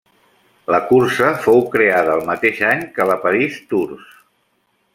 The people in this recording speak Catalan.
La cursa fou creada el mateix any que la París-Tours.